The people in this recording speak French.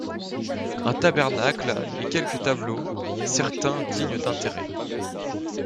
Un tabernacle et quelques tableaux, certains dignes d’intérêt.